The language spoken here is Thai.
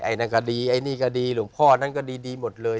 นั่นก็ดีไอ้นี่ก็ดีหลวงพ่อนั้นก็ดีหมดเลย